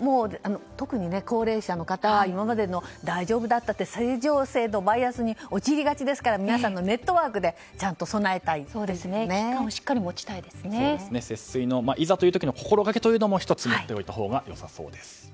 もう特に高齢者の方今まで大丈夫だったって正常性バイアスに陥りがちですから皆さんのネットワークでいざという時の心がけも１つ持っておいたほうが良さそうです。